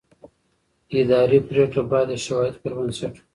اداري پرېکړه باید د شواهدو پر بنسټ وي.